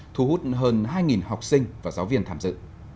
thu hút hơn hai học sinh và giáo viên tham dự